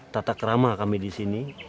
tata kerama kami disini